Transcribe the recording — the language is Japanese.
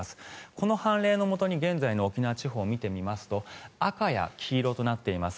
この凡例のもとに現在の沖縄地方を見てみますと赤や黄色となっています。